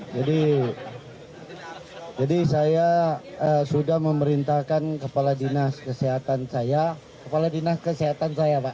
jadi jadi saya sudah memerintahkan kepala dinas kesehatan saya kepala dinas kesehatan saya pak